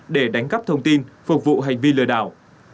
để đánh cắp thông tin phục vụ hành vi lừa đảo